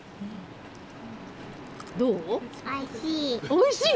おいしい。